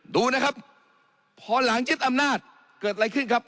ดูนะครับพอหลังยึดอำนาจเกิดอะไรขึ้นครับ